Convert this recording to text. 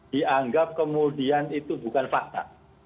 dianggap kemudian itu bukan fakta